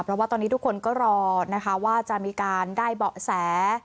เพราะว่าตอนนี้ทุกคนก็รอนะคะว่าจะมีการได้เบาะแส